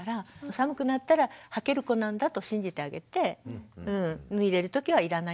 寒くなったらはける子なんだと信じてあげて脱いでる時はいらないんだなと。